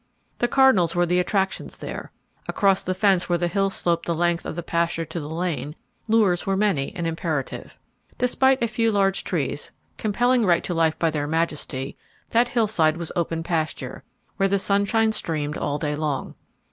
The cardinals were the attraction there; across the fence where the hill sloped the length of the pasture to the lane, lures were many and imperative. Despite a few large trees, compelling right to life by their majesty, that hillside was open pasture, where the sunshine streamed all day long.